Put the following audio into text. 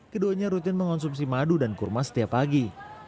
keduanya rutin mengonsumsi madu dan kurma setiap pagi